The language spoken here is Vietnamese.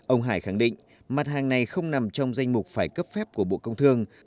ông hải khẳng định mặt hàng này không nằm trong danh mục phải cấp phép của bộ công thương